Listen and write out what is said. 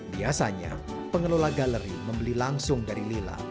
biasanya pengelola galeri membeli langsung dari lila